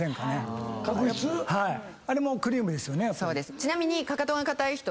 ちなみに。